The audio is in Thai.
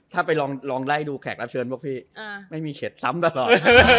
ถ้าไปลองไล่ดูแขกรับเชิญพวกพี่ไม่มีเข็ดซ้ำตลอด